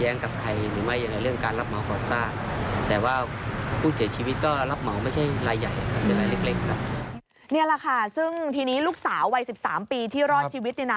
นี่แหละค่ะซึ่งทีนี้ลูกสาววัย๑๓ปีที่รอดชีวิตเนี่ยนะ